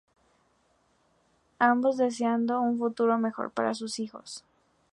Ambos desean un futuro mejor para sus hijos.